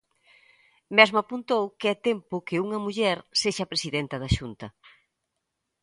Mesmo apuntou que é tempo que unha muller sexa presidenta da Xunta.